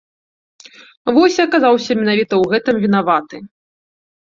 Вось і аказаўся менавіта ў гэтым вінаваты.